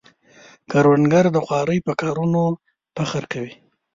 کروندګر د خوارۍ په کارونو فخر کوي